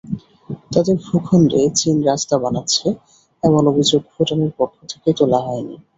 তাদের ভূখণ্ডে চীন রাস্তা বানাচ্ছে এমন অভিযোগ ভুটানের পক্ষ থেকে তোলা হয়নি।